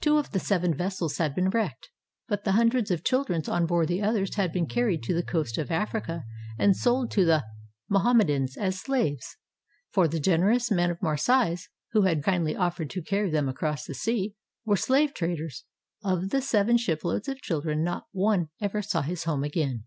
Two of the seven vessels had been wrecked; but the hundreds of children on board the others had been car ried to the coast of Africa and sold to the Mohammedans as slaves; for the generous men of Marseilles who had so kindly offered to carry them across the sea were slave traders. Of the seven shiploads of children, not one ever saw his home again.